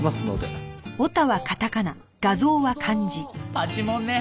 パチモンね。